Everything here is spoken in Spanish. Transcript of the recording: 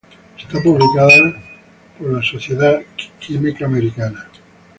Es publicada por la American Chemical Society.